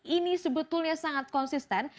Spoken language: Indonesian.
ini sebetulnya sangat konsisten